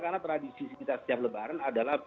karena tradisi kita setiap lebaran adalah